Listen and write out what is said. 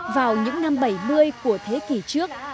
vào những năm bảy mươi của thế kỷ trước